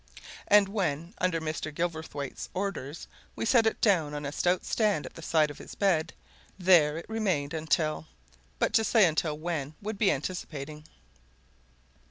And when, under Mr. Gilverthwaite's orders, we set it down on a stout stand at the side of his bed, there it remained until but to say until when would be anticipating.